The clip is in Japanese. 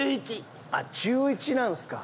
あっ中１なんすか。